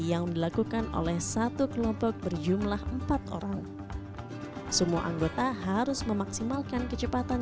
yang dilakukan oleh satu kelompok berjumlah empat orang semua anggota harus memaksimalkan kecepatan